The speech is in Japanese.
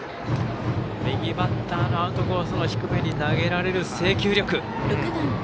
右バッターのアウトコースの低め投げられる制球力。